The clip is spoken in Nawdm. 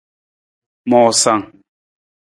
Moosang.